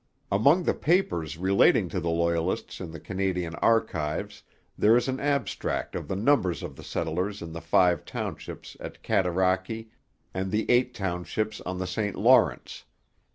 Among the papers relating to the Loyalists in the Canadian Archives there is an abstract of the numbers of the settlers in the five townships at Cataraqui and the eight townships on the St Lawrence.